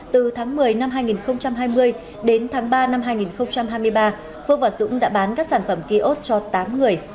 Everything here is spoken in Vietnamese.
từ tháng một mươi năm hai nghìn hai mươi đến tháng ba năm hai nghìn hai mươi ba phước và dũng đã bán các sản phẩm kiosk cho tám người